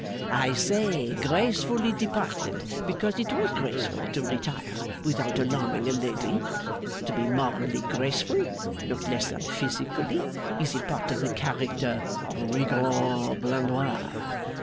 'I say, gracefully departed, because it was graceful to retire without alarming a lady. To be morally graceful, not less than physically, is a part of the character of Rigaud Blandois.